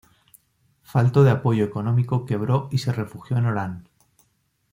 Falto de apoyo económico, quebró y se refugió en Orán.